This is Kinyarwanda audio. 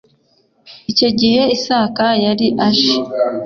Icyo gihe Isaka yari aje